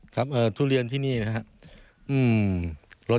ทุเรียนที่นี่นะครับ